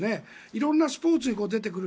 色んなスポーツに出てくる。